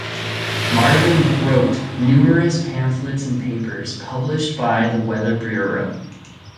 Marvin wrote numerous pamphlets and papers published by the Weather Bureau.